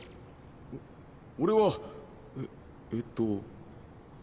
お俺はええっと。